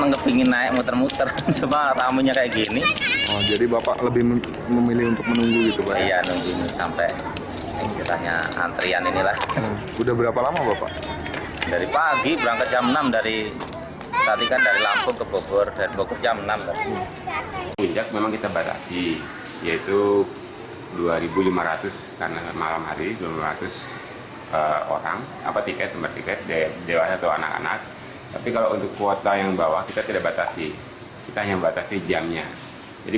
kepadatan pengunjung monas jakarta sudah terlihat sejak kamis pagi